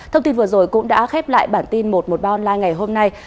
thông tin vừa rồi cũng đã khép lại bản tin một trăm một mươi ba online ngày hôm nay